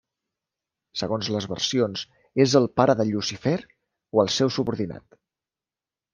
Segons les versions, és el pare de Llucifer o el seu subordinat.